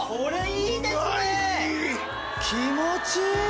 気持ちいい！